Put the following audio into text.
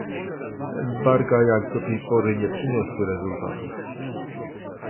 Embarga jak do tej pory nie przyniosły rezultatów